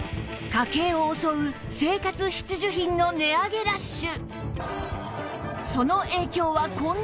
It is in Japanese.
家計を襲う生活必需品の値上げラッシュ